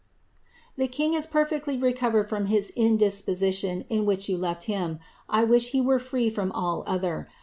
lung is perfectly recovered from his indisposition in which you I wish he were free from all other.